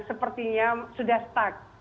sepertinya sudah stuck